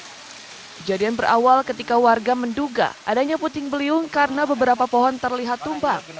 kejadian berawal ketika warga menduga adanya puting beliung karena beberapa pohon terlihat tumbang